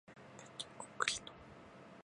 鉄筋コンクリート